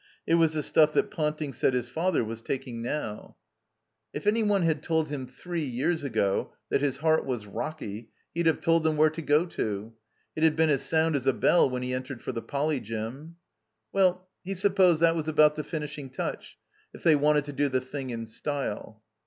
It was the stuff that Pouting said his father was taking now. 20 299 THE COMBINED MAZE If any one had told him three years ago that his heart was rocky he'd have told them where to go to. It had been as sound as a bell when he entered for the Poly. Gsnn. Well, he supposed that was about the finishing touch — ^if they wanted to do the thing in style.